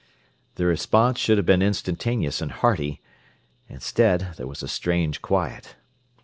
The response should have been instantaneous and hearty. Instead there was a strange quiet.